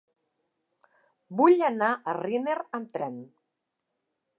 Vull anar a Riner amb tren.